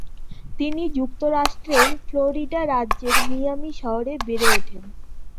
তিনি যুক্তরাষ্ট্রের ফ্লোরিডা রাজ্যের মিয়ামি শহরে বেড়ে ওঠেন।